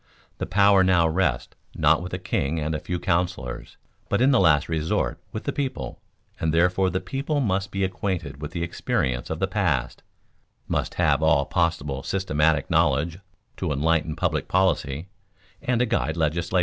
The power now rests not with the king and a few counselors, but in the last resort with the people, and therefore the people must be acquainted with the experience of the past, must have all possible systematic knowledge to enlighten public policy and to guide legislation.